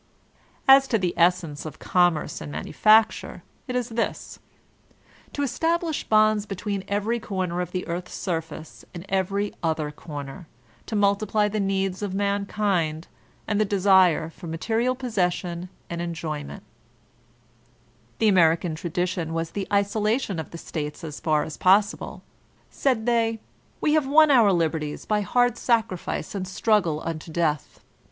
As to the essence of Commerce and Manufacture, it is diis: to establish bonds between every comer of the earth's surface and every other comer, to multiply the needs of mankind, and the desire for material possession and enjoyment The American tradition was the isolation of die States as far as possible. Said they : We have won our liberties by hard sacrifice and struggle unto death.